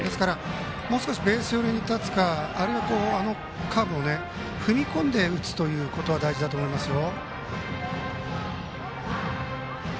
もう少しベース寄りに立つかあるいは、あのカーブを踏み込んで打つことが大事だと思いますよ。